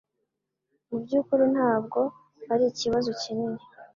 Mubyukuri ntabwo arikibazo kinini